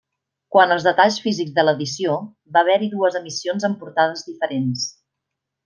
Quant als detalls físics de l'edició, va haver-hi dues emissions amb portades diferents.